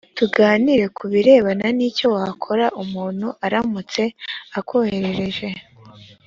tuganire ku birebana n icyo wakora umuntu aramutse akoherereje